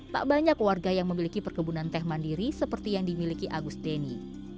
tak banyak warga yang memiliki perkebunan teh mandiri seperti yang dimiliki agus deni